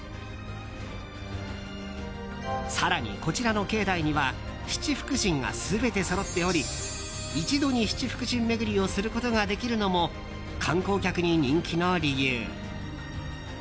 更に、こちらの境内には七福神が全てそろっており一度に七福神巡りをすることができるのも観光客に人気の理由。